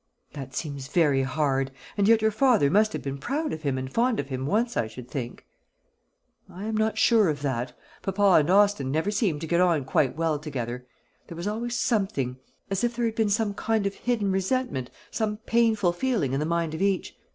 "That seems very hard; and yet your father must have been proud of him and fond of him once, I should think." "I am not sure of that. Papa and Austin never seemed to get on quite well together. There was always something as if there had been some kind of hidden resentment, some painful feeling in the mind of each.